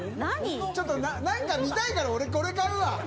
ちょっと何か見たいから俺これ買うわ。